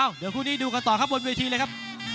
เดี๋ยวคู่นี้ดูกันต่อครับบนเวทีเลยครับ